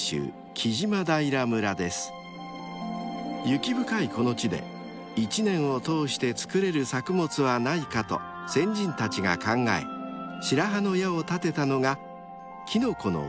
［雪深いこの地で１年を通して作れる作物はないかと先人たちが考え白羽の矢を立てたのがキノコの］